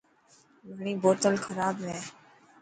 گھڻي بوتل کراب هي.